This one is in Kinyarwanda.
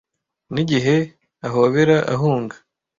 N'igihe ahobera ahunga,